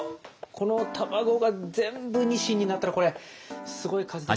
この卵が全部ニシンになったらこれすごい数ですよね。